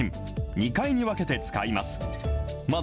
２回に分けて使います。